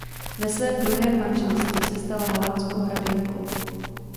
Ve svém druhém manželství se stala holandskou hraběnkou.